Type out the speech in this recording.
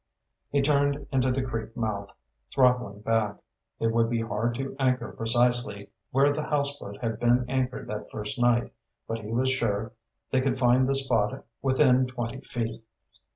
He turned into the creek mouth, throttling back. It would be hard to anchor precisely where the houseboat had been anchored that first night, but he was sure they could find the spot within twenty feet.